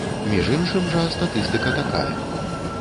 Між іншым жа статыстыка такая.